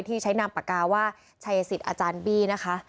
ที่ใช้นามปากกาว่าชัยสิทธิ์อาจารย์บี้นะคะ